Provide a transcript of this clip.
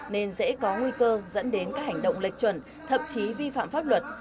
nên dễ có nguy cơ dẫn đến các hành động lệch chuẩn thậm chí vi phạm pháp luật